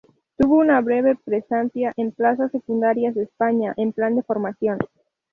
Tuvo una breve pasantía en plazas secundarias de España, en plan de formación.